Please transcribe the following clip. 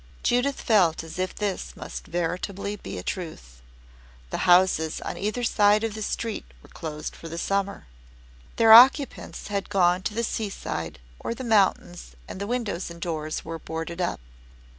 Judith felt as if this must veritably be a truth. The houses on either side of the street were closed for the summer. Their occupants had gone to the seaside or the mountains and the windows and doors were boarded up.